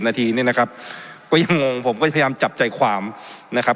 นาทีเนี่ยนะครับก็ยังงงผมก็จะพยายามจับใจความนะครับ